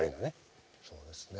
そうですね。